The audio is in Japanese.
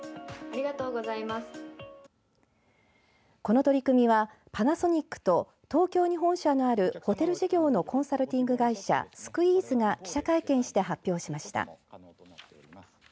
この取り組みは、パナソニックと東京に本社のあるホテル事業のコンサルティング会社ＳＱＵＥＥＺＥが記者会見して発表しました。